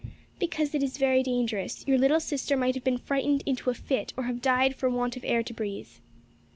"Because it is very dangerous. Your little sister might have been frightened into a fit or have died for want of air to breathe."